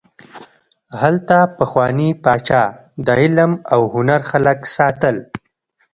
هلته پخواني پاچا د علم او هنر خلک ساتل.